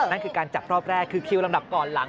นั่นคือการจับรอบแรกคือคิวลำดับก่อนหลัง